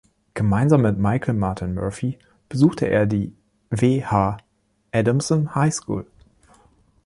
Gemeinsam mit Michael Martin Murphey besuchte er die W. H. Adamson High School.